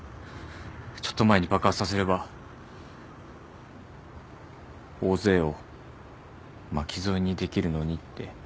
ちょっと前に爆発させれば大勢を巻き添えにできるのにって。